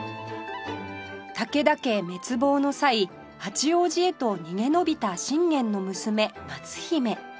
武田家滅亡の際八王子へと逃げ延びた信玄の娘松姫